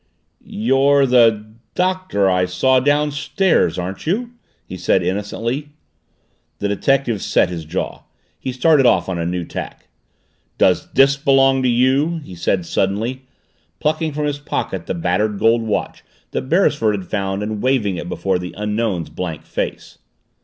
"You're the Doctor I saw downstairs aren't you?" he said innocently. The detective set his jaw. He started off on a new tack. "Does this belong to you?" he said suddenly, plucking from his pocket the battered gold watch that Beresford had found and waving it before the Unknown's blank face.